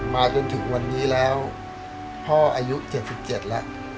มาจนถึงวันนี้แล้วพ่ออายุ๗๗แล้ว